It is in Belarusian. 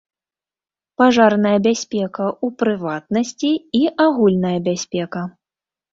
Пажарная бяспека ў прыватнасці і агульная бяспека.